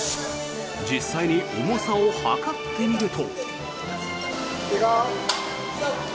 実際に重さを量ってみると。